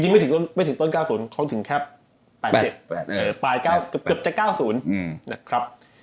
จริงไม่ถึงต้น๙๐เขาถึงแค่ปลายเกือบจะ๙๐